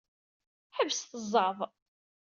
Ḥebset zzeɛḍ.